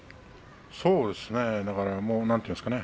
そうですね。